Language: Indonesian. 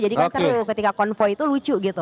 jadi kan seru ketika konvo itu lucu gitu